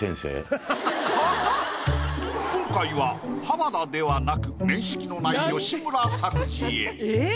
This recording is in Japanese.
今回は浜田ではなく面識のない吉村作治へ。